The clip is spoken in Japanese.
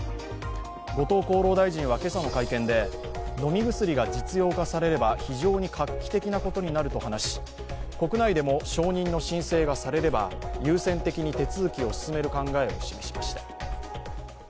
後藤厚労大臣は今朝の会見で、飲み薬が実用化されれば非常に画期的なことになると話し、国内でも承認の申請がされれば優先的に手続きを進める考えを示しました。